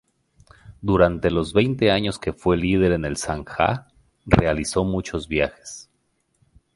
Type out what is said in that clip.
Durante los veinte años que fue líder del sangha, realizó muchos viajes.